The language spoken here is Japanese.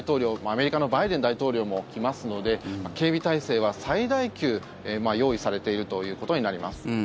アメリカのバイデン大統領も来ますので警備態勢は最大級用意されているということになります。